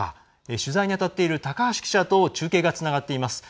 取材に当たっている高橋記者と中継がつながっています。